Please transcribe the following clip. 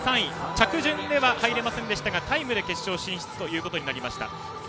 着順では入れませんでしたがタイムで決勝進出となりました。